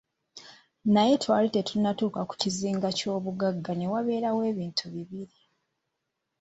Naye twali situnnatuuka ku Kizinga ky'Obugagga ne wabeerawo ebintu bibiri.